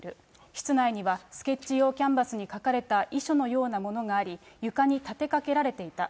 室内にはスケッチ用キャンバスに書かれた遺書のようなものがあり、床に立てかけられていた。